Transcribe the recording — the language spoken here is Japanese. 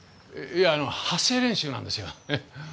いやあの発声練習なんですよ。